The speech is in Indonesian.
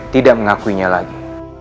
tidak mengakuinya lagi